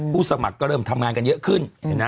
สมัครก็เริ่มทำงานกันเยอะขึ้น